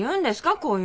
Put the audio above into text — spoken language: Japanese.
こういうの。